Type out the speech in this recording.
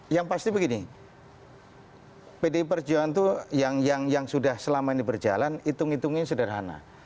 yang pasti begini pdi perjuangan itu yang sudah selama ini berjalan hitung hitungnya sederhana